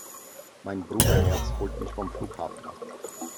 Mein Bruderherz holt mich vom Flughafen ab.